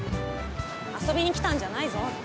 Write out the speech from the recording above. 遊びに来たんじゃないぞ。